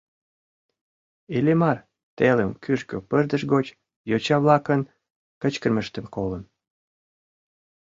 Иллимар телым кӱжгӧ пырдыж гоч йоча-влакын кычкырымыштым колын.